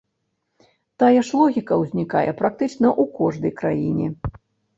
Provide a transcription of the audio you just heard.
Тая ж логіка ўзнікае практычна ў кожнай краіне.